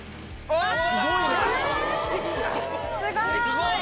すごい！